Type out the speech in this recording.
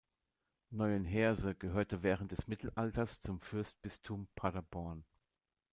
Neuenheerse gehörte während des Mittelalters zum Fürstbistum Paderborn.